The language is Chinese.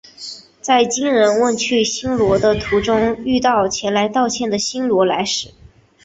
在金仁问去新罗的途中遇到前来道歉的新罗来使。